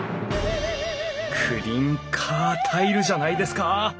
クリンカータイルじゃないですか！